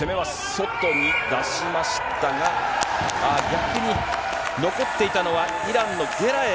外に出しましたが、ああ、逆に残っていたのは、イランのゲラエイ。